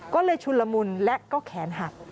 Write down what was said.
ก็เลยชุนละมุนและก็แขนหัก